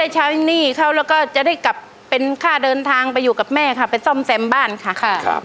เชิญทางไปอยู่กับแม่ค่ะไปซ่อมเซ็มบ้านค่ะค่ะ